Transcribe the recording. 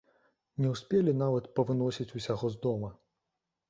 Не ўспелі нават павыносіць усяго з дома.